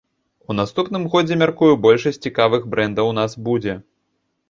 У наступным годзе, мяркую, большасць цікавых брэндаў у нас будзе.